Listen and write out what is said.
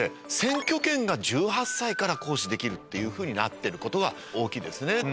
選挙権が１８歳から行使できるっていうふうになってることが大きいですね